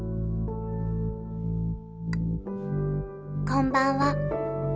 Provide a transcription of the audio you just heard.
「こんばんは」